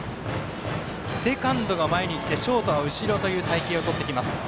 セカンドが前に来てショートは後ろという隊形を取ってきます。